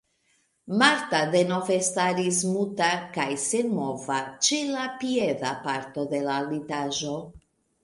Marta denove staris muta kaj senmova ĉe la pieda parto de la litaĵo.